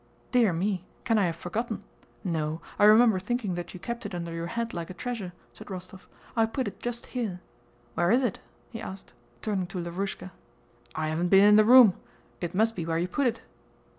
"Dear me, can I have forgotten? No, I remember thinking that you kept it under your head like a treasure," said Rostóv. "I put it just here. Where is it?" he asked, turning to Lavrúshka. "I haven't been in the room. It must be where you put it."